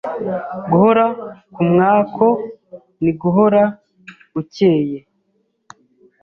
guhora kumyako ni guhora ucyeye